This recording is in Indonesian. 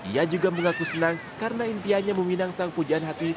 ia juga mengaku senang karena impiannya meminang sang pujaan hati